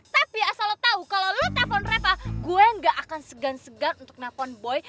tapi asal lo tau kalau lo telepon reva gue nggak akan segan segan untuk telepon boy